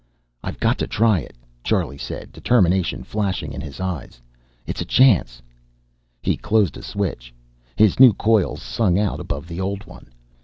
"I've got to try it!" Charlie said, determination flashing in his eyes. "It's a chance!" He closed a switch. His new coils sung out above the old one.